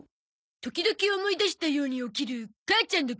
時々思い出したように起きる母ちゃんのケチケチ病。